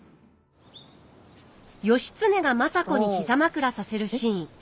義経が政子に膝枕させるシーン。